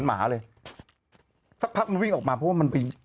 มันไม่มีอะไรกินไง